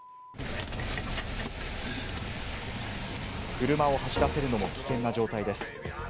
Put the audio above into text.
車を走らせるのも危険な状態です。